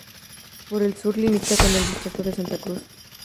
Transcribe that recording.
Por el sur limita con el distrito de Santa Cruz.